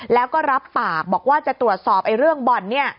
และก็รับปากบอกว่าจะตรวจสอบเรื่องบอน